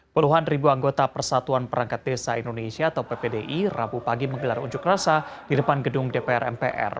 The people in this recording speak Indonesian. puluhan ribu anggota persatuan perangkat desa indonesia atau ppdi rabu pagi menggelar unjuk rasa di depan gedung dpr mpr